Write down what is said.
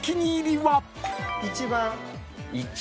一番。